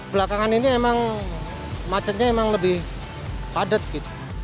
belakangan ini emang macetnya emang lebih padat gitu